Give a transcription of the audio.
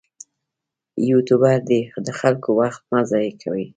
یوټوبر دې د خلکو وخت مه ضایع کوي.